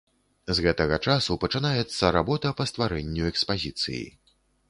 З гэтага часу пачынаецца работа па стварэнню экспазіцыі.